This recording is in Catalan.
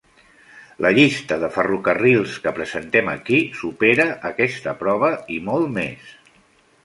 La llista de ferrocarrils que presentem aquí supera aquesta prova i molt més.